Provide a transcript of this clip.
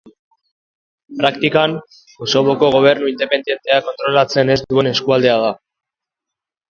Praktikan, Kosovoko gobernu independenteak kontrolatzen ez duen eskualdea da.